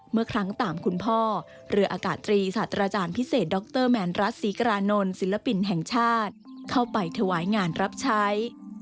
เมื่อครั้งตามคุณพ่อเรืออากาศตรีศาสตราจารย์พิเศษดรแมนรัฐศรีกรานนท์ศิลปินแห่งชาติเข้าไปถวายงานรับใช้